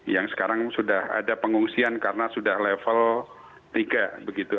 yang sekarang sudah ada pengungsian karena sudah level tiga begitu